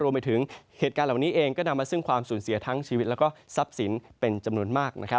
รวมไปถึงเหตุการณ์เหล่านี้เองก็นำมาซึ่งความสูญเสียทั้งชีวิตและทรัพย์สินเป็นจำนวนมาก